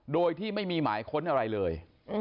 โดยที่ไม่มีหมายค้นอะไรเลย